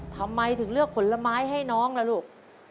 ทำไมถึงเลือกผลไม้ให้น้องล่ะลูก